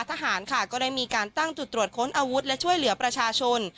ทหารค่ะก็ได้มีการตั้งจุดตรวจค้นอาวุธและช่วยเหลือประชาชน